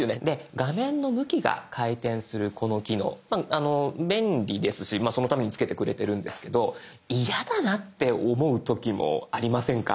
画面の向きが回転するこの機能便利ですしそのためにつけてくれてるんですけど嫌だなって思う時もありませんか？